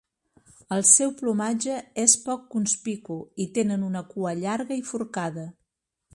El seu plomatge és poc conspicu i tenen una cua llarga i forcada.